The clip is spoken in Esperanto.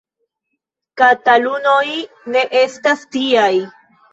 Katalunoj ne estas tiaj.